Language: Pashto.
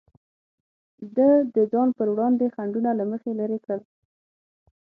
ده د ځان پر وړاندې خنډونه له مخې لرې کړل.